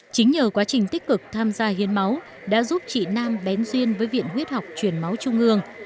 chính nhờ quá trình tích cực tham gia hiến máu đã giúp chị nam bén duyên với viện huyết học truyền máu trung ương